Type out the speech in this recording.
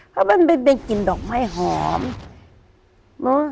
เพราะมันเป็นกลิ่นดอกไม้หอม